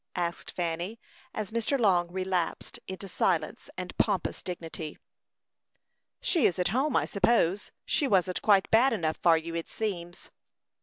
asked Fanny, as Mr. Long relapsed into silence and pompous dignity. "She is at home, I suppose. She wasn't quite bad enough for you, it seems."